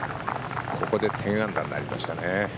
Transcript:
ここで１０アンダーになりましたね。